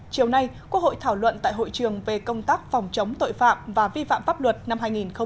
chiều nay quốc hội thảo luận tại hội trường về công tác phòng chống tội phạm và vi phạm pháp luật năm hai nghìn một mươi chín